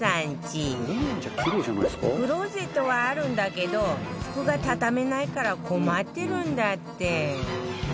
クローゼットはあるんだけど服が畳めないから困ってるんだって